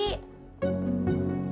bukan tante rantian asli